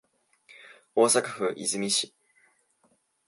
大阪府和泉市